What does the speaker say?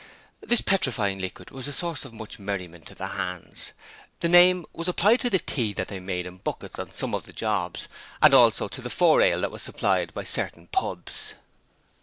This 'Petrifying Liquid' was a source of much merriment to the hands. The name was applied to the tea that they made in buckets on some of the jobs, and also to the four ale that was supplied by certain pubs.